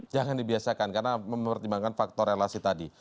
jangan dibiasakan karena mempertimbangkan faktor relasi tadi